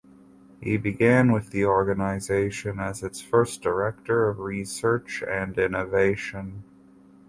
He began with the organization as its first Director of Research and Innovation.